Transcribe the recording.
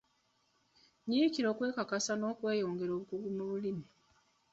Nyiikira okwekakasa n'okweyongera obukugu mu lulimi.